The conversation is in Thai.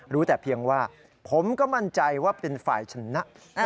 รู้แต่เพียงว่าผมก็มั่นใจว่าเป็นฝ่ายชนะ